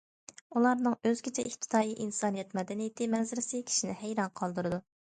ئۇلارنىڭ ئۆزگىچە ئىپتىدائىي ئىنسانىيەت مەدەنىيىتى مەنزىرىسى كىشىنى ھەيران قالدۇرىدۇ.